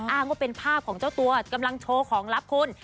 อ้างว่าเป็นภาพของเจ้าตัวกำลังโชว์ของลับคุณ